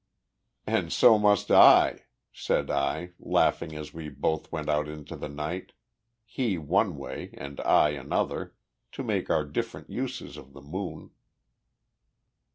"And so must I," said I, laughing as we both went out into the night, he one way and I another, to make our different uses of the moon.